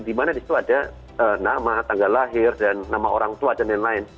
dimana disitu ada nama tanggal lahir dan nama orang tua dan lain lain